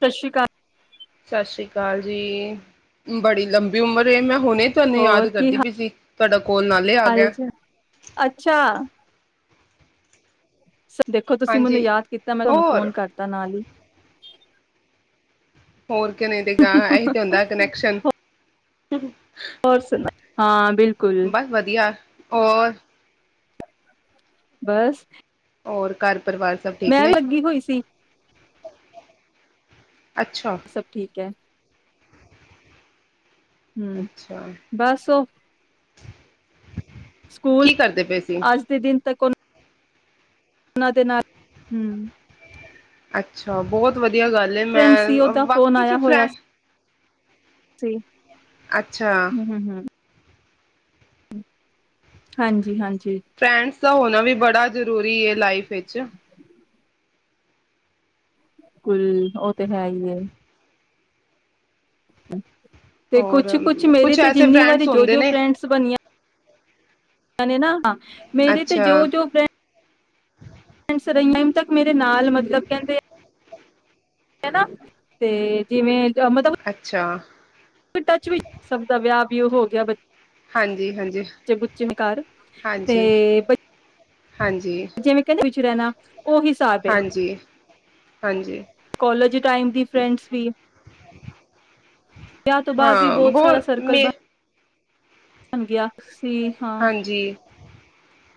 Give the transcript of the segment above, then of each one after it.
ਸਤਿ ਸ੍ਰੀ ਅਕਾਲ ਸਤਿ ਸ੍ਰੀ ਅਕਾਲ ਜੀ ਬੜੀ ਲੰਬੀ ਉਮਰ ਮੈਂ ਹੁਣੇ ਤੁਹਾਨੂੰ ਯਾਦ ਕਰਦੀ ਪਈ ਸੀ ਕੜਕ [unintelligible] ਚਾਲ ਅੱਛਾ [unintelligible] [unintelligible] ਦੇਖੋ ਤੁਸੀਂ ਮੈਨੂੰ ਹਾਂਜੀ ਯਾਦ ਕੀਤਾ ਮੈਂ ਤੁਹਾਨੂੰ ਹੋਰ ਫੋਨ ਕਰਤਾ ਨਾਲ ਹੀ ਹੋਰ ਕਿਵੇਂ ਦੇਗਾ ਇਹੀ ਤੇ ਹੁੰਦਾ ਕਨੈਕਸ਼ਨ [unintelligible] ਹੋਰ ਸੁਨਾ ਹਾਂ ਬਿਲਕੁਲ ਹੋਰ ਬਸ ਹੋਰ ਘਰ ਪਰਿਵਾਰ ਸਭ ਠੀਕ ਮੈਂ ਵੀ ਨੇ। ਲੱਗੀ ਹੋਈ ਸੀ ਅੱਛਾ ਸਭ ਠੀਕ ਹੈ ਹਮ ਅੱਛਾ ਬੱਸ ਉਹ ਸਕੂਲ ਕੀ ਕਰਦੇ ਪਏ ਸੀ। ਅੱਜ ਦੇ ਦਿਨ ਤੱਕ ਉਹ ਉਹਨਾ ਦੇ ਨਾਲ ਹਮ ਅੱਛਾ ਬਹੁਤ ਵਧੀਆ ਵਧੀਆ ਗੱਲ ਏ ਫਰੈਂਡ ਮੈਂ ਸੀ ਉਹਦਾ ਵਾਕਈ ਚ ਫਰੈ ਜੀ ਅੱਛਾ ਹਾਂਜੀ ਹਾਂਜੀ ਫਰੈਡਜ਼ ਦਾ ਹੋਣਾ ਵੀ ਬੜਾ ਜ਼ਰੂਰੀ ਹੈ ਲਾਈਫ ਵਿੱਚ ਕੁੁਲ ਉਹ ਤੇ ਹੈ ਅਮ ਤੇ ਔਰ ਕੁਛ ਕੁਛ ਮੇਰੀ ਤੇ ਐਸੇ ਜਿੰਨੀ ਵਾਰੀ ਫਰੈਂਡਸ ਜੋ ਹੁੰਦੇ ਜੋ ਨੇ ਫਰੈਂਡਸ ਬਣੀਆਂ ਕ ਨਾਾਂ [unintelligible] ਮੇਰੇ ਤੇ ਅੱਛਾ ਜੋ ਜੋ ਫਰੈਂਡ [unintelligible] ਤ ਮੇਰੇ ਨਾਲ ਮਤਲਬ ਕਹਿੰਦੇ ਹੈਨਾ ਤੇ ਜਿਵੇਂ ਮਤਲਬ ਅੱਛਾ ਟੱਚ ਵੀ ਸਕਦਾ ਵਿਆ ਵੀ ਉਹ ਹੋ ਗਿਆ ਬੱ ਹਾਂਜੀ, ਹਾਂਜੀ, ਬੱਚੇ ਬੁੱਚੇ ਨੇ ਘਰ ਤੇ ਹਾਂਜੀ, ਹਾਂਜੀ ਚਿਰੇ ਨਾ ਓ ਹਿਸਾਬ ਏ, ਹਾਂਜੀ, ਹਾਂਜੀ। ਕੋਲਜ ਟਾਈਮ ਦੀ ਫਰੈਂਡਸ ਵੀ ਵਿਆਹ ਤੋਂ ਬਾਅਦ ਵੀ ਹਾਂ ਬਹੁਤ ਬਹੁ ਮੇਂ [unintelligible] ਠੀਕ ਹਾਂ ਹਾਂਜੀ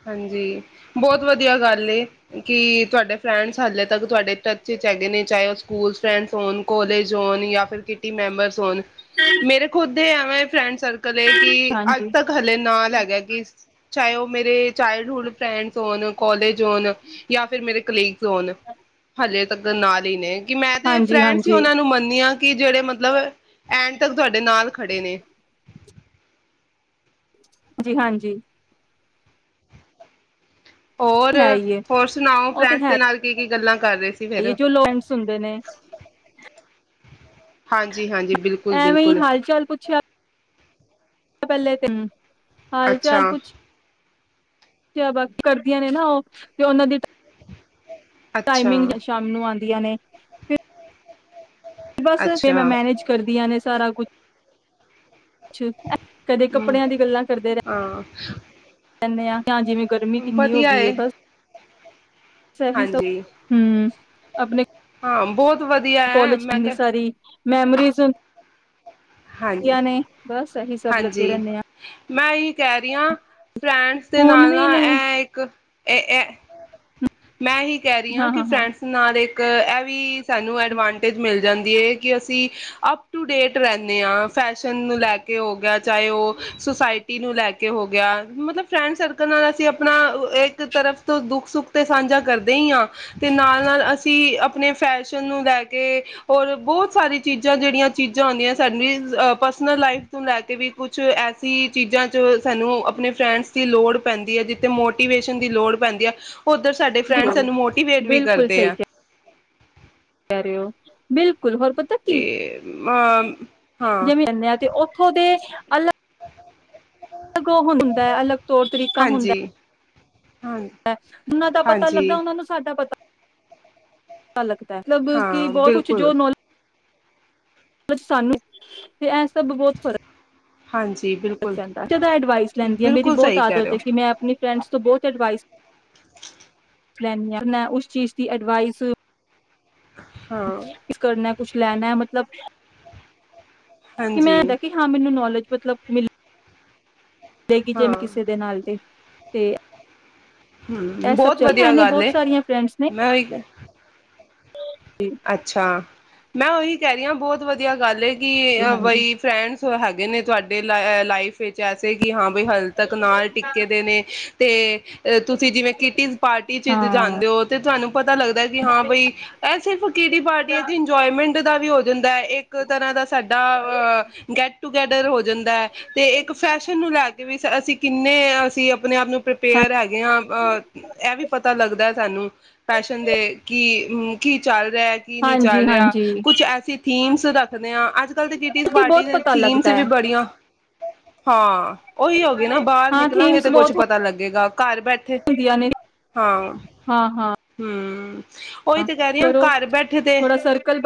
ਹਾਂਜੀ ਬਹੁਤ ਵਧੀਆ ਗੱਲ ਏ ਕਿ ਤੁਹਾਡੇ ਫਰੈਂਡਸ ਹਾਲੇ ਤੱਕ ਤੁਹਾਡੇ ਟੱਚ ਵਿੱਚ ਹੈਗੇ ਨੇ ਚਾਹੇ ਉਹ ਸਕੂਲ ਫਰੈਂਡਸ ਹੋਣ ਕੋਲੇਜ ਹੋਣ ਜਾਂ ਫਿਰ ਕਿਨੀ ਮੈਂਬਰਸ ਹੋਣ ਮੇਰੇ ਖੁਦ ਦੇ ਐਵੇਂ ਫਰੈਂਡਸ ਸਰਕਲ ਕਿ ਅੱਜ ਹਾਂਜੀ, ਤੱਕ ਹਲੇ ਨਾਲ ਹੈ ਇਸ ਚਾਹੇ ਉਹ ਮੇਰੇ ਚਾਈਲਡ ਹੁਡ ਫਰੈਂਡਸ ਹੋਣ ਕਲੇਜ ਹੋਣ ਜਾਂ ਫਿਰ ਮੇਰੇ ਕਲੀ ਹੋਨ ਹਜੇ ਤਗ ਨਾਲ ਹੀ ਨੇ ਕਿ ਮੈਂ ਤੇ ਹਾਂਜੀ, ਫਰੈਂਡ ਸੀ ਹਾਂਜੀ, ਉਹਨਾਂ ਨੂੰ ਮੰਨਦੀ ਹਾਂ ਕਿ ਜਿਹੜੇ ਮਤਲਬ ਐਂਡ ਤੱਕ ਤੁਹਾਡੇ ਨਾਲ ਖੜੇ ਨੇ ਜੀ ਹਾਂਜੀ ਹੋਰ ਹੈ ਹੀ ਏ ਹੋਰ ਸੁਣਾਓ ਫਰੈਂਡਸ ਦੇ ਨਾਲ ਕੀ ਕੀ ਗੱਲਾਂ ਕਰ ਰਹੇ ਸੀ ਏ ਫਿਰ ਜੋ ਲੋ ਪੈਂਟਸ ਹੁੰਦੇ ਨੇ ਹਾਂਜੀ ਹਾਂਜੀ ਬਿਲਕੁਲ ਐਵੇਂ ਹੀ ਬਿਲਕੁਲ ਹਾਲ ਚਾਲ ਪੁੱਛਿਆ ਪੱਲੇ ਤਿੰਨ ਹਾਲ ਅੱਛਾ ਚਾਲ ਪੁੱਛ ਕਿਆ ਬਾਤ ਕਰਦੀਆਂ ਨੇ ਨਾ ਉਹ ਤੇ ਉਹਨਾਂ ਦੀ ਅੱਛਾ ਟਾਈਮਿੰਗ ਜਾਂ ਸ਼ਾਮ ਨੂੰ ਆਂਦ ਆਂ ਨੇ ਫ [unintelligible] ਬਸ, ਜੇ ਅੱਛਾ ਮੈਂ ਮੈਨੇਜ ਕਰਦੀ ਆ ਨੇ ਸਾਰਾ ਕੁਛ ਅੱ ਕਦੇ ਹਮ ਕੱਪੜਿਆਂ ਦੀ ਗੱਲਾਂ ਕਰਦੇ ਹਾਂ ਰਹਿ ਰਹਦੇ ਆ ਹ, ਜਿਵੇਂ ਗਰਮੀ ਕਿੰਨੀ ਹੋ ਵਧੀਆ ਗਈ ਹੈ, ਏ ਬਸ। ਸਹੀ ਸ ਹਾਂਜੀ ਹਮ, ਆਪਣੇ ਹਾਂ ਬਹੁਤ ਵਧੀਆ ਹੈ ਕੋਲਜ ਮੈਂ ਇੰਨੀ ਕਿਹਾ ਸਾਰੀ ਮੈਮਰੀਜ਼ ਹਾਂਜੀ ਵਧਆ ਨੇ, ਬਸ ਇਹੀ ਸਭ ਲੱਗੇ ਹਾਂਜੀ ਰਹਿੰਦੇ ਆ। ਮੈਂ ਇਹੀ ਕਹਿ ਰਹੀਆਂ ਫਰੈਂਡਸ ਦੇ ਹੁਣ ਨਾਲ ਵੀ ਨਾ, ਨੇ ਇਹ ਇੱਕ ਇਹ ਐ ਮੈਂ ਇ ਹੀ ਕਹਿ ਰਹੀ ਹਾਂ, ਕਿ ਫਰੈਂਡਸ ਨਾਲ ਇੱਕ ਇਹ ਐਵੀ ਸਾਨੂੰ ਐਡਵਾਂਟ ਮਿਲ ਜਾਂਦੀ ਹੈ, ਕਿ ਅਸੀਂ ਅਪ ਟੂ ਡੇਟ ਰਹਿੰ ਫੈਸ਼ਨ ਨੂੰ ਲੈ ਕੇ ਹੋ ਗਿਆ, ਚਾਹੇ ਉਹ ਸੁਸਾਇਟੀ ਨੂੰ ਲੈ ਕੇ ਹੋ ਗਿਆ, ਮਤਲਬ ਫਰੈਂਡ ਸਰਕਲ ਨਾਲ ਅਸੀਂ ਆਪਣਾ ਇੱਕ ਤਰਫ ਤੋਂ ਦੁੱਖ ਸੁੱਖ ਤੇ ਸਾਂਝਾ ਕਰਦੇ ਹੀ ਹਾਂ, ਤੇ ਨਾਲ ਨਾਲ ਅਸੀਂ ਆਪਣੇ ਫੈਸ਼ਨ ਨੂੰ ਲੈ ਕੇ, ਔਰ ਬਹੁਤ ਸਾਰੀ ਚੀਜ਼ਾਂ, ਜਿਹੜੀਆਂ ਚੀਜ਼ਾਂ ਹੁਦੀਆਂ ਸਾਨੂੰ, ਪਰਸਨਲ ਲਾਈਫ ਤੋਂ ਲੈ ਕੇ ਵੀ ਕੁਛ ਐਸੀ ਚੀਜ਼ਾਂ ਚ ਸਾਨੂੰ ਆਪਣੇ ਫਰੈਂਡਸ ਦੀ ਲੋੜ ਪੈਂਦੀ ਹੈ, ਜਿੱਥੇ ਮੋਟੀਵੇਸ਼ਨ ਦੀ ਲੋੜ ਪੈਂਦੀ ਹੈ। ਓਧਰ, ਸਾਡੇ ਫਰੈਂਡਸ ਬਿਲਕੁਲ ਸਾਨੂੰ ਮੋਟੀਵੇਟ ਵੀ ਕਰਦੇ ਆ। ਕਰ ਹੋ ਬਿਲਕੁਲ ਕੁੂਲ ਹੋਰਪਤਾ ਤੇ ਕੀ ਅ ਹਾਂ ਜਿਵੇਂ ਜਾਂਦੇ ਆ, ਤੇ ਉੱਥੋਂ ਦੇ ਅਲ ਅਲੱਗ ਉਹ ਹੁੰਦਾ ਹੈ, ਅਲੱਗ ਤੌਰ ਤਰੀਕਾ ਹੁੰਦਾ ਹਾਂਜੀ ਹੈ। ਹਾਂ ਜਨਾਂ ਦਾ ਪਤਾ ਲੱਗਦਾ, ਹਾਂਜੀ ਉਹਨਾ ਨੂੰ ਸਾਡਾ ਪਤ ਪਲਕ [unintelligible] ਮਤਲਬ ਕਿ ਹਾਂ ਬਹੁਤ ਕੁਛ, ਜੋ ਬਿਲਕੁਲ ਨੌਲੇਜ ਸਾਨੂੰ, ਤੇ ਐ ਸਭ ਬਹੁਤ ਫ਼ਰਕ ਹਾਂਜੀ ਬਿਲਕੁਲ ਜਦੋਂ ਐਡਵਾਈਸ ਲੈਂਦੀ ਆ, ਮੇਰੀ ਬਿਲਕੁਲ ਬਹੁਤ ਸਹੀ ਕਹਿ ਰਹੇ ਆਦਤ ਹੈ, ਹੋ ਕਿ ਮੈਂ ਆਪ ਫਰੈਂਡਸ ਤੋਂ ਬਹੁਤ ਐਡਵਾਈਸ ਲੈਂਦੀ ਹਾਂ, ਮੈਂ ਉਸ ਚੀਜ਼ ਦੀ ਅਡਵਾਈਸ ਹਾਂ ਇਸ ਕਰ ਕੁਛ ਲੈਣਾ ਹੈ ਮਤਲਬ ਕਿ ਹਾਂਜੀ ਮੈਂ ਇਦਾ, ਕਿ ਹਾਂ, ਮੈਨੂੰ ਨੌਲੇਜ ਮਤਲਬ ਮਿਲ ਦੇਗੀ ਜਿਵੇਂ ਹਾਂ ਕਿਸੇ ਦੇ ਨਾਲ ਤੇ ਤੇ ਇਹ ਹਮ ਸਭ ਬਹੁਤ ਚ ਹੈ ਵਧੀਆ ਨੇ ਗੱਲ ਬਹੁਤ ਏ, ਸਾਰੀਆਂ ਫਰੈਂਡਸ ਨੇ ਮੈਂ ਉਹੀ ਕ [inaudible] ਅੱਛਾ ਮੈਂ ਉਹੀ ਕਹਿ ਰਹੀ ਹਾਂ, ਬਹੁਤ ਵਧੀਆ ਗੱਲ ਏ ਕਿ ਜੀ ਹਾਂਜੀ ਬਈ ਫਰੈਂਡਸ ਹੈਗੇ ਨੇ ਤੁਹਾਡੇ ਲ ਲਾਈਫ ਵਿੱਚ ਐਸੇ ਕਿ ਹਾਂ ਵੀ ਹਲੇ ਤੱਕ ਨਾਲ ਟਿੱਕੇ ਦੇ ਨੇ ਤੇ ਅ ਤੁਸੀਂ ਜਿਵੇਂ ਕਿਟੀਜ਼ ਪਾਰਟੀ ਚ ਹਾਂ ਜਾਂਦੇ ਹੋ ਤੇ, ਤੁਹਾਨੂੰ ਪਤਾ ਲੱਗਦਾ ਕਿ ਹਾਂ ਬਈ, ਇਹ ਸਿਰਫ ਕਿਟੀ ਪਾਰਟੀ ਅਸੀ ਇੰਜੋਮੈਂਟ ਪਿੰਡ ਦਾ ਵੀ ਹੋ ਦਿੰਦਾ ਹੈ, ਇੱਕ ਤਰ੍ਹਾਂ ਦਾ ਸਾਡਾ ਅ ਗੈਟ ਟੂਗੇਦਰ ਹੋ ਜਾਂਦਾ ਹੈ ਤੇ ਇੱਕ ਫੈਸ਼ਨ ਨੂੰ ਲੈ ਕੇ ਵੀ ਅਸੀਂ ਕਿੰਨੇ ਸੀ ਐਫ ਆਪਣੇ ਆਪ ਨੂੰ ਪ੍ਰੀਪੇਅਰ ਹੈਗੇ ਆ, ਇਹ ਵੀ ਪਤਾ ਲੱਗਦਾ ਸਾਨੂੰ ਪੈਸ਼ਨ ਦੇ ਕੀ, ਕੀ ਟਰੈਕ ਈ ਨਹੀਂ ਹਾਂਜੀ ਚੱਲ ਰਿਹਾ ਹਾਂਜੀ ਕੁਛ ਐਸੀ ਥੀਮਸ ਰੱਖਦੇ ਹਾਂ ਅ ਅੱਜ ਕੱਲ੍ਹ ਤੇ ਕੀਟੀ ਕੇ ਪਾਰਟੀ ਬਹੁਤ ਦੇ ਪਤਾ ਥੀਮਸ ਲੱਗਦਾ ਵੀ ਹੈ ਬੜੀਆਂ ਹਾਂ ਉਹੀ ਹੋ ਗਏ ਨਾ, ਬਾਹਰ ਹਾਂ ਨਿਕਲਾਂਗੇ ਥੀਮਸ ਤੇ ਕੁੱਛ ਬਹੁਤ ਪਤਾ ਲੱਗੇਗਾ ਘਰ ਬੈਠੇ, ਹੁੰਦੀਆਂ ਨੇ ਹਾਂ ਹਾਂ ਹਾਂ ਹਮ ਉਹੀ ਤੇ ਕਹਿ ਰਹੀ ਹ ਕਰੋ ਘਰ ਬੈਠੇ ਦੇ ਥੋੜਾ ਸਰਕਲ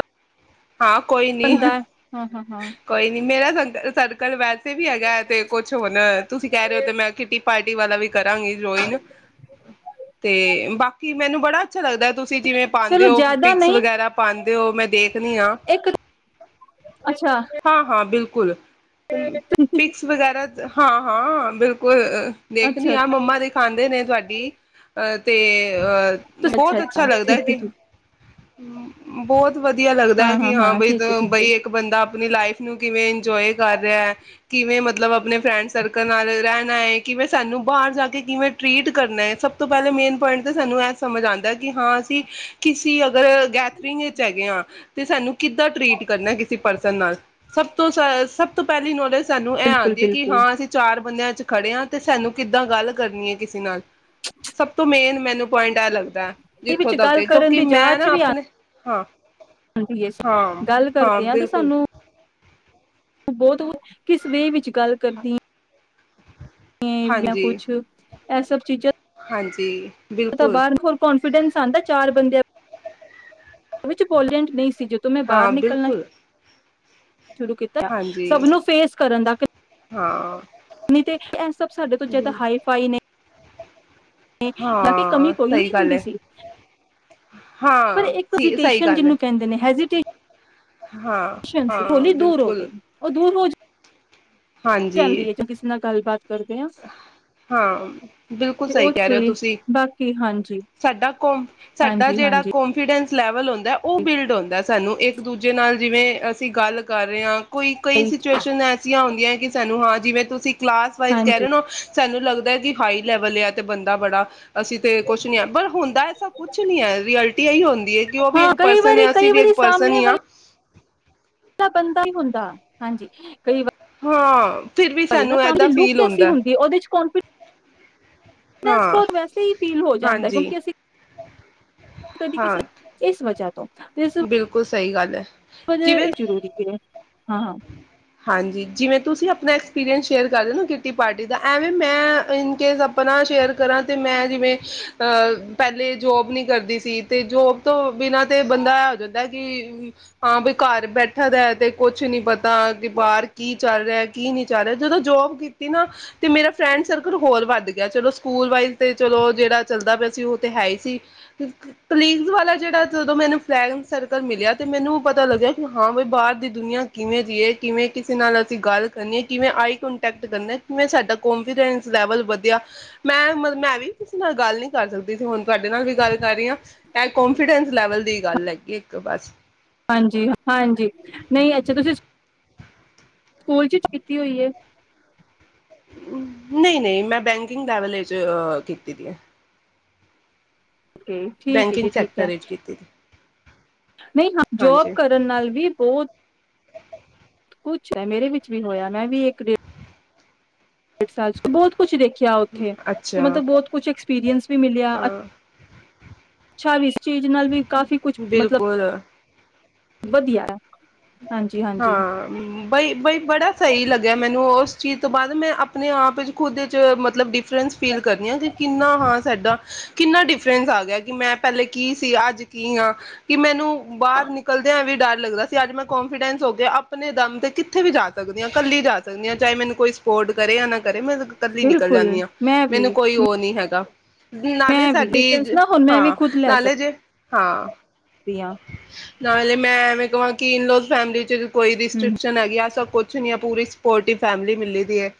ਹਾਂ ਕੋਈ ਬੰਦਾ ਨੀ, ਹਾਂ ਹਾਂ ਹਾਂ ਕੋਈ ਨੀ ਮੇਰਾ ਸਰ ਸਰਕਲ ਵੈ ਵੀ ਹੈਗਾ ਤੇ ਕੁਛ ਹੁਣ, ਤੁਸੀਂ ਕਹਿ ਰਹੇ ਹੋ ਤੇ ਮੈਂ ਪਾਰਟੀ ਵਾਲਾ ਵੀ ਕਰਾਂਗੇ ਜੋਇਨ, ਤੇ ਬਾਕੀ ਕੀ ਮੈਨੂੰ ਬੜਾ ਅੱਛਾ ਲੱਗਦਾ, ਤੁਸੀਂ ਜਿਵੇਂ ਪਾਦੇ ਚਲੋ ਓ ਜ਼ਿਆਦਾ ਪਿਕਸ ਨਹੀਂ ਵਗੈਰਾ ਪਾਦੇ ਉਹ ਮੈਂ ਦੇਖ ਨਹੀਂ ਆ ਇੱਕ ਅੱਛਾ ਹਾਂ ਹਾਂ ਬਿਲਕੁਲ ਕੁਲ ਪਿਕਸ ਵਗੈਰਾ ਹਾਂ ਹਾਂ ਬਿਲਕੁਲ ਦੇਖਣੀ ਅੱਛਾ ਆ, ਮੰਮਾ ਦੇ ਖਾਂਦੇ ਨੇ ਤੁਹਾਡੀ ਅ ਤੇ ਅ ਬਹੁਤ ਅੱਛਾ ਲੱਗਦਾ ਹੈ ਕਿ ਬਹੁਤ ਵਧੀਆ ਲੱਗਦਾ ਹੈ ਕਿ ਹਾਂ ਬਈ, ਠੀਕ ਹੈ ਠੀਕ ਹੈ ਬਈ ਇੱਕ ਬੰਦਾ ਆਪਣੀ ਲਾਈਫ ਨੂੰ ਕਿਵੇਂ ਇੰਜੋਏ ਕਰ ਰਿਹਾ। ਕਿਵੇਂ ਮਤਲਬ ਆਪਣੇ ਫਰੈਂਡ ਸਰਕਲ ਨਾਲ ਰਹਿਣਾ ਹੈ। ਕਿਵੇਂ ਸਾਨੂੰ ਬਾਹਰ ਜਾ ਕੇ ਕਿਵੇਂ ਟਰੀਟ ਕਰਨਾ ਹੈ। ਸਭ ਤੋਂ ਪਹਿਲੇ ਮੇਨ ਪੁਆਇੰਟ ਤਾਂ ਸਾਨੂੰ ਇਹ ਸਮਝ ਆਉਂਦਾ ਕਿ ਹਾਂ ਅਸੀਂ ਕਿਸ ਸੀ ਅਗਰ ਗੈਦਰਿੰਗ ਵਿੱਚ ਹੈਗੇ ਆ ਤੇ ਸਾਨੂੰ ਕਿੱਦਾਂ ਟਰੀਟ ਕਰਨਾ ਕਿਸੇ ਪਰਸਨ ਨਾਲ ਸਭ ਤੋਂ, ਸਭ ਤੋਂ ਪਹਿਲੀ ਨੌਲੇਜ ਸਾਨੂੰ ਇਹ ਬਿਲਕੁਲ ਆਉਂਦੀ ਹੈ, ਕਿ ਬਿਲਕੁਲ ਹਾਂ ਅਸੀਂ ਚਾਰ ਬੰਦਿਆਂ ਖੜੇ ਆ ਤੇ ਐ ਲੱਗਦਾ ਇਹ ਜਿੱਥੋਂ ਵਿੱਚ ਤੱਕ ਗੱਲ ਦੇ ਮੈਂ ਨਾ ਆਪਣੇ ਹਾਂ ਹਾਂਜੀ, ਹਾਂ ਗੱਲ ਕਰਦੇ ਹਾਂ ਤੇ ਬਿਲਕੁਲ ਸਾਨੂੰ ਬਹੁਤ ਕੁਝ, ਕਿਸ ਵੇ ਵਿੱਚ ਗੱਲ ਕਰਦੀ ਮ ਹਾਂਜੀ ਕੁਛ ਇਹ ਸਭ ਚੀਜ਼ਾਂ ਹਾਂਜੀ ਪਤਾ, ਬਿਲਕੁਲ ਬਾਹਰ ਹੋਰ ਕੌਣ ਸਵੀਡਨ ਸਨ ਆਂਦਾ ਚਾਰ ਬੰਦਿਆਂ ਵਿੱਚ, ਪੋਲੈਂਡ ਨਹੀਂ ਜਦੋ ਮੈਂ ਬਾਹਰ ਹਾਂ ਨਿਕਲਣਾ ਬਿਲਕੁਲ ਸ਼ੁਰੂ ਕੀਤਾ, ਸਭ ਹਾਂਜੀ ਨੂੰ ਫੇਸ ਕਰਨ ਦਾ ਹਾਂ ਤੇ ਐ ਸਬ ਸਾਡੇ ਤੋਂ ਜਿਆਦ ਹਾਈ ਫਾਈ ਨੇ ਕਿ ਕਮੀ ਹਾਂ ਕੋਈ ਸਹੀ ਨਹੀਂ ਗੱਲ ਹੁੰਦੀ ਹੈ ਸੀ ਪਰ ਹਾਂ ਇੱਕ ਸੀ ਸਹੀ ਵੇਕੇਸ਼ਨ ਗੱਲ ਹੈ ਜਿਹਨੂੰ ਕਹਿੰਦੇ ਨੇ ਹੈਜ ਇਟ ਤੇ ਹਾਂ ਹਾਂ ਹੋਲੀ ਦੂਰ ਹੋ ਬਿਲਕੁਲ ਗਈ ਉਹ ਦੂਰ ਹੋ ਜਾਂਦੀ ਹਾਂਜੀ ਹੈ ਜੋ ਕਿਸੇ ਨਾਲ ਗੱਲਬਾਤ ਕਰਦੇ ਹਾਂ ਤੇ ਹਾਂ ਬਿਲਕੁਲ ਸਹੀ ਉਹ ਕਹਿ ਰਹੇ ਹੋ ਤੇ ਤੁਸੀਂ, ਬਾਕੀ ਹਾਂਜੀ ਸਾਡਾ ਕ ਸਾਡਾ ਹਾਂਜੀ ਜਿਹੜਾ ਹਾਂਜੀ ਕੋਂਫੀਡੈਂਸ ਲੈਵਲ ਹੁੰਦਾ ਉਹ ਬਿਲਡ ਹੁੰਦਾ ਸਾਨੂੰ ਇੱਕ ਇੱਕ ਦੂਜੇ ਨਾਲ ਜਿਵੇਂ ਅਸੀਂ ਗੱਲ ਕਰ ਰਹੇ ਹਾਂ ਕੋਈ ਕਈ ਸਿਚੁਏਸ਼ਨ ਐਸੀਆਂ ਹੁੰਦੀਆਂ ਕਿ ਸਾਨੂੰ ਹਾਂ ਜਿਵੇਂ ਤੁਸੀਂ ਸਿੱਖਲਾ ਕਹਿ ਹਾਂਜੀ ਰੇਣ ਸਾਨੂੰ ਲੱਗ ਦਾ ਜ ਹਾਈ ਲੈਵਲ ਆ ਤੇ ਬੰਦਾ ਬੜਾ ਅਸੀਂ ਤੇ ਕੁਛ ਨੀ ਹ ਪਰ ਹੁੰਦਾ ਐਸਾ ਕੁਛ ਨੀ ਹੈ ਰਐਲਟੀ ਏਹੀ ਹੁੰਦੀ ਕਿ ਉਹ ਵੀ ਹਾਂ ਇੱਕ ਕਈ ਪਰਸਨ ਵਾਰੀ ਹੈ ਅਸੀਂ ਕਈ ਵੀ ਇੱਕ ਪਰਸਨ ਹੀ ਹਾਂ ਤਾਂ ਬੰਦਾ ਹੀ ਹੁੰਦਾ, ਹਾਂਜੀ ਕਈ ਵਾਰ [unintelligible] ਪਰ ਏ ਨਾ ਸਾਹਮ ਦੀ ਏਦਾਂ ਲੁੱਕ ਫੀਲ ਕੈਸੀ ਹੁੰਦਾ ਹੁੰਦੀ ਉਹਦੇ ਚ ਕਾਨਫੀ ਹਾਂ [unintelligible] ਵੈਸੇ ਹੀ ਫੀਲ ਹੋ ਜਾਂਦਾ ਹਾਂਜੀ ਕਿਉਂਕਿ ਅਸੀਂ ਕਦੀ ਕਿਸੇ ਹਾਂ ਇਸ ਵਜ੍ਹਾ ਤੋਂ ਤੇ ਇਸ ਬਿਲਕੁਲ ਸਹੀ ਗੱਲ [inaudible] ਇਹ ਜਿਵੇਂ ਜ਼ਰੂਰੀ ਹੈ ਹਾਂ ਹਾਂਜੀ ਜਿਵੇਂ ਤੁਸੀਂ ਆਪਣਾ ਐਕਸਪੀਰੀਅੰਸ ਸ਼ੇਅਰ ਕਰਦੇ ਨਾ ਕਿੱਟੀ ਪਾਰਟੀ ਦਾ ਐਵੇਂ ਮੈਂ ਇਨਕੇਸ ਆਪਣਾ ਸ਼ੇਅਰ ਕਰਾਂ ਤੇ ਮੈਂ ਜਿਵੇਂ ਅਹ ਪਹਿਲੇ ਜੋਬ ਨੀ ਕਰਦੀ ਸੀ ਤੇ ਜੋਬ ਤੋਂ ਬਿਨਾਂ ਤੇ ਬੰਦਾ ਇਹ ਹੋ ਜਾਂਦਾ ਕਿ, ਹਾਂ ਵੀ ਘਰ ਬੈਠਾ ਦਾ ਤੇ ਕੁਛ ਨੀ ਪਤਾ ਹਾਂ ਤੇ ਬਾਰ ਕੀ ਚੱਲ ਰਿਹਾ ਕੀ ਨਹੀਂ ਚੱਲ ਰਿਹਾ ਜਦੋਂ ਜੋਬ ਕੀਤੀ ਨਾ ਤੇ ਮੇਰਾ ਫਰੈਂਡ ਸਰਕਲ ਹੋਰ ਵੱਧ ਗਿਆ ਚਲੋ ਸਕੂਲ ਵਾਈਜ਼ ਤੇ ਚਲੋ ਜਿਹੜਾ ਚੱਲਦਾ ਪਿਆ ਸੀ ਉਹ ਤੇ ਹੈ ਹੀ ਸੀ ਤੇ ਕਲੀਗਸ ਵਾਲਾ ਜਿਹੜਾ ਜਦੋਂ ਮੈਨੂੰ ਫਰੈਡਂਸ ਸਰਕਲ ਮਿਲਿਆ ਤੇ ਮੈਨੂੰ ਪਤਾ ਲੱਗਿਆ ਕਿ ਹਾਂ ਬ ਬਾਹਰ ਦੀ ਦੁਨੀਆਂ ਕਿਵੇਂ ਜੀਏ ਕਿਵੇਂ ਕਿਸੇ ਨਾਲ ਅਸੀਂ ਗੱਲ ਕਰਨੀ ਹੈ ਕਿਵੇਂ ਆਈ ਕਂਟੈਕਟ ਕਰਨਾ ਕਿਵੇਂ ਸਾਡਾ ਕੋਂਫੀਡੈਂਸ ਲੈਵਲ ਵਧਿਆ ਮੈਂ ਮ ਮੈਂ ਵੀ ਕਿਸੇ ਨਾਲ ਗੱਲ ਨੀ ਕਰ ਸਕਦੀ ਸੀ ਹੁਣ ਤੁਹਾਡੇ ਨਾਲ ਵੀ ਗੱਲ ਕਰ ਰਹੀ ਹਾਂ, ਕੋਂਨਫੀਡੈਂਸ ਲੈਵਲ ਦੀ ਗੱਲ ਲੱਗੀ ਇੱਕ ਬਸ ਹਾਂਜੀ-ਹਾਂਜੀ ਨਹੀਂ ਅੱਛਾ ਤੁਸੀਂ ਸਕੂਲ ਚ ਕੀਤੀ ਹੋਈ ਹੈ। ਨਹੀਂ ਨਹੀਂ ਮੈਂ ਬੈਂਕਿੰਗ ਲੈਵਲ ਚ ਕੀਤੀ ਦੀ ਹੈ। ਓਕੇ ਠੀਕ ਹੈ ਬੈਂਕਿੰਗ ਜੀ ਠੀਕ ਸੈਕਟਰ ਹੈ ਵਿੱਚ ਕੀਤੀ। ਨਹੀਂ ਹਾਂ ਜੋਬ ਹਾਂਜੀ ਕਰਨ ਨਾਲ ਵੀ ਬਹੁਤ ਕੁਛ [unintelligible] ਮੇਰੇ ਵਿੱਚ ਵੀ ਹੋਇਆ ਮੈਂ ਵੀ ਇੱਕ ਡੇ ਡ ਸਾਲ ਬਹੁਤ ਕੁਛ ਦੇਖੀ ਅੱਛਾ ਹਾਂ [unintelligible] [unintelligible] ਚੀਜ਼ ਨਾਲ ਵੀ ਕਾਫੀ ਕੁਛ ਬਿਲਕੁਲ ਮਤਲਬ ਵਧੀਆ ਏ ਹਾਂ ਬਈ-ਬਈ ਬੜਾ ਸਹੀ ਲੱਗਿਆ ਮੈਨੂੰ ਉਸ ਚੀਜ਼ ਤੋਂ ਬਾਅਦ ਮੈਂ ਆਪਣੇ ਆਪ 'ਚ ਖੁਦ 'ਚ ਮਤਲਬ ਡਿਫਰੈਂਸ ਫੀਲ ਕਰਦੀ ਹਾਂ ਕਿ ਕਿੰਨਾ ਹਾਂ ਸਾਡਾ ਕਿੰਨਾ ਡਿਫਰੈਂਸ ਆ ਗਿਆ ਕਿ ਮੈਂ ਪਹਿਲੇ ਕੀ ਸੀ ਅੱਜ ਕੀ ਹਾਂ ਕਿ ਮੈਨੂੰ ਬਾਹਰ ਨਿਕਲਦਿਆਂ ਵੀ ਡਰ ਲੱਗਦਾ ਅਤੇ ਅੱਜ ਮੈਂ ਕੋਂਨਫੀਡੈਂਸ ਹੋ ਗਿਆ ਆਪਣੇ ਦਮ 'ਤੇ ਕਿੱਥੇ ਵੀ ਜਾ ਸਕਦੀ ਹਾਂ ਇਕੱਲੀ ਜਾ ਸਕਦੀ ਹਾਂ ਚਾਹੇ ਮੈਨੂੰ ਕੋਈ ਸਪੋਰਟ ਕਰੇ ਜਾਂ ਨਾ ਕਰੇ ਮੈਂ ਇਕੱਲੀ ਨਿਕਲ ਬਿਲਕੁਲ ਜਾਂਦੀ ਹਾਂ ਮੈਂ ਵੀ ਮੈਨੂੰ ਕੋਈ ਉਹ ਨਹੀਂ ਹੈਗਾ। ਨਾਲੇ ਮੈਂ ਵੀ ਪੇਸ਼ੈਂਸ ਸਾਡੀ ਨਾ ਹੁਣ ਮੈਂ ਵੀ ਹਾਂ ਖੁਦ ਲੈ ਨਾਲੇ ਜੇ ਹਾਂ ਸਕਦੀ ਹਾਂ ਨਾਲੇ ਮੈਂ ਐਵੇਂ ਕਵਾਂ ਕੀ ਇਨਲੋਜ਼ ਫੈਮਿਲੀ ਚ ਕੋਈ ਹਮ ਰਿਸਟ੍ਰਿਕਸ਼ਨ ਹੈਗੀ ਐਸਾ ਕੁਛ ਨਹੀਂ ਅਪ ਪੂਰੀ ਸਪੋਰਟਿਵ ਫੈਮਿਲੀ ਮਿਲੀ ਦੀ ਹੈ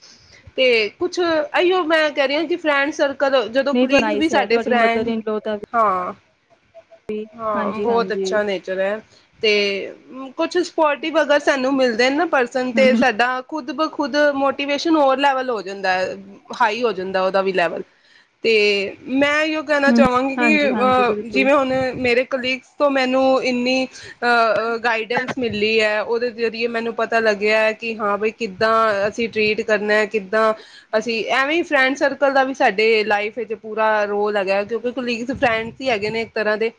ਤੇ ਕੁਛ ਇਹੀਓ ਮੈਂ ਕਹਿ ਰਹੀ ਹਾਂ ਕਿ ਫਰੈਂਡ ਸਰ ਕਦੋਂ ਜਦੋਂ ਨਹੀਂ ਤਾਂ ਕਲਿੰਗ ਵੀ ਨਾਈਸ ਹੈ ਸਾਡੇ ਤੁਹਾਡੀ ਮਦਰ ਫਰੈਂਡ ਇਨ ਲੋ ਦਾ ਵੀ ਹਾਂ ਹਾਂ ਹਾਂਜੀ ਬਹੁਤ ਹਾਂਜੀ ਅੱਛਾ ਨੇਚਰ ਹੈ ਤੇ ਕੁਛ ਸਪੋਟਿ ਅਗਰ ਸਾਨੂੰ ਮਿਲਦੇ ਹੇਨਾ ਪਰਸਨ ਤੇ ਹਮ ਸਾਡਾ ਖੁਦ ਬ ਖੁਦ ਮੋਟੀਵੇਸ਼ਨ ਹੋਰ ਲੈਵਲ ਹੋ ਜਾਂਦਾ ਹਾਈ ਹੋ ਜਾਂਦਾ ਉਹਦਾ ਵੀ ਲੈਵਲ ਤੇ ਮੈਂ ਇਹੀਓ ਕਹਿਣਾ ਹਮ ਚਾਹਵਾਂਗੀ ਹਾਂਜੀ ਹਾਂਜੀ ਕਿ ਬਿਲਕੁਲ ਜਿਵੇਂ ਹੁਣ ਮੇਰੇ ਕਲੀਗਸ ਤੋਂ ਮੈਨੂੰ ਇੰਨੀ ਅ ਅ ਗਾਈਡੈਂਸ ਮਿਲੀ ਹੈ ਉਹਦੇ ਜ਼ਰੀਏ ਮੈਨੂੰ ਪਤਾ ਲੱਗਿਆ ਹੈ ਕਿ ਹਾਂ ਬਈ ਕਿੱਦਾਂ ਅਸੀਂ ਟਰੀਟ ਕਰਨਾ ਕਿੱ ਤਾਂ ਅਸੀਂ ਐਵੇਂ ਫਰੈਂਡ ਸਰਕਲ ਦਾ ਵੀ ਸਾਡੇ ਲਾਈਫ ਵਿੱਚ ਪੂਰਾ ਰੋਲ ਹੈਗਾ ਕਿਉਂਕਿ ਕਲੀਗ ਫਰੈਂਡਸ ਹੀ ਹੈਗੇ ਨੇ ਇੱਕ ਤਰ੍ਹਾਂ ਦੇ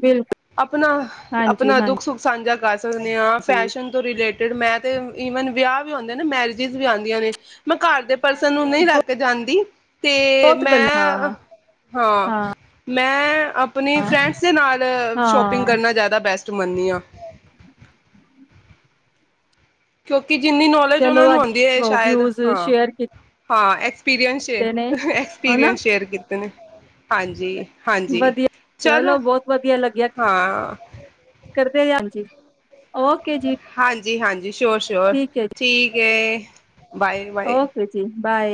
ਬਿਲਕੁਲ ਆਪਣਾ ਹਾਂਜੀ ਆਪਣਾ ਦੁੱਖ ਸੁੱਖ [inaudible] ਸਕਦੇ ਹਾਂ ਹਾਂਜੀ ਫੈਸ਼ਨ ਤੋਂ ਰਿਲੇਟ ਮੈਂ ਤੇ ਈਵਨ ਵਿਆਹ ਵੀ ਆਉਂਦੇ ਨਾ ਮੈਰਿਜ ਵੀ ਆਉਂਦੀਆਂ ਨੇ ਮੈਂ ਘਰ ਦੇ ਪਰਸਨ ਨੂੰ ਨਹੀਂ ਲੈ ਕੇ ਜਾਂਦੀ ਅਤੇ ਬਹੁਤ ਗੱਲਾਂ ਹਾਂ ਮੈਂ ਹਾਂ ਮੈਂ ਆਪਣੀ ਫਰੈਂਡਸ ਦੇ ਨਾਲ ਸ਼ੋਪਿੰਗ ਹਾਂ ਕਰਨਾ ਜ਼ਿਆਦਾ ਬੈਸਟ ਮੰਨਦੀ ਹਾਂ [unintelligible] [unintelligible] ਕਿ ਜਿੰਨੀ ਨੌਲੇਜ ਚਲੋ ਉਹਨਾਂ ਨੂੰ ਅੱਜ ਆਉਂਦੀ ਹੈ ਸ਼ਾਇਦ ਵਿਊਜ਼ ਹਾਂ ਸ਼ੇਅਰ ਹਾਂ ਐ ਪਸ ਕੀਤੇ ਨੇ ਹਨਾ ਐਕਸਪੀਰੀਅੰਸ ਸ਼ੇਅਰ ਕੀਤੇ ਨੇ ਹਾਂਜੀ ਵਧੀਆ ਚਲੋ ਬਹੁਤ ਵਧੀਆ ਲੱਗਿਆ ਹਾਂ ਕਰਦੇ ਓਕੇ ਜੀ ਜੀ ਹਾਂਜੀ ਸ਼ਓਰ ਸ਼ਓਰ ਠੀਕ ਹੈ ਜੀ ਠੀਕ ਹੈ ਬਏਰ ਬਏਰ ਓਕੇ ਜੀ ਬਾਏ